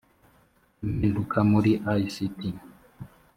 impinduka muri ict